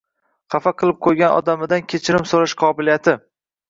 Xafa qilib qo‘ygan odamidan kechirim so‘rash qobiliyati